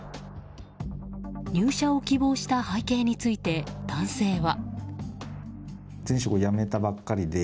入社を希望した背景について男性は。